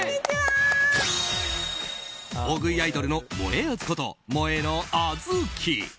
大食いアイドルのもえあずこと、もえのあずき。